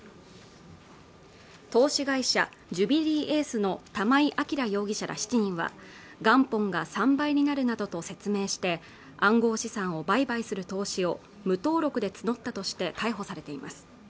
投資会社ジュビリーエースの玉井暁容疑者ら７人は元本が３倍になるなどと説明して暗号資産を売買する投資を無登録で募ったとして逮捕されています